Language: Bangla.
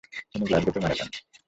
তিনি গ্লাসগোতে মারা যান।